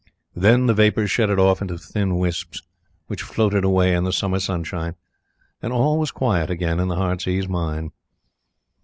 Then the vapour shredded off into thin wisps, which floated away in the summer sunshine, and all was quiet again in the Heartsease mine.